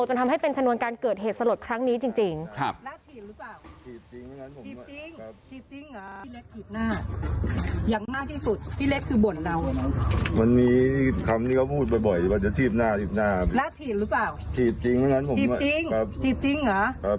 จนทำให้เป็นชนวนการเกิดเหตุสลดครั้งนี้จริง